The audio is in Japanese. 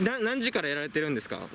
何時からやられてるんですか？